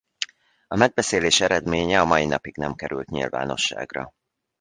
A megbeszélés eredménye a mai napig nem került nyilvánosságra.